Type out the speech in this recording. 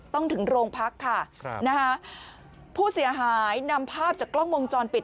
ถึงโรงพักค่ะครับนะฮะผู้เสียหายนำภาพจากกล้องวงจรปิด